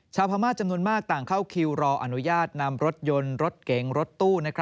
พม่าจำนวนมากต่างเข้าคิวรออนุญาตนำรถยนต์รถเก๋งรถตู้